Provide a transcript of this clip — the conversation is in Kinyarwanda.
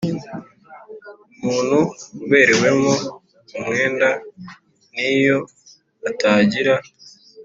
Umuntu uberewemo umwenda n iyo atagira